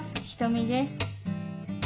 ひとみです。